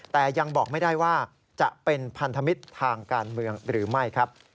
แต่ยังบอกไม่ได้ว่าจะเป็นพันธมิตรทางการเมืองหรือไม่ครับ